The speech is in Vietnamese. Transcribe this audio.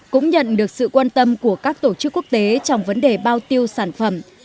cũng nhận được sự quan tâm của các tổ chức quốc tế trong vấn đề bao tiêu sản phẩm